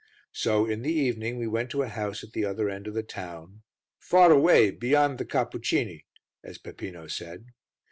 So in the evening we went to a house at the other end of the town, "far away beyond the Cappucini," as Peppino said.